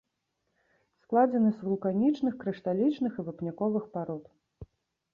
Складзены з вулканічных, крышталічных і вапняковых парод.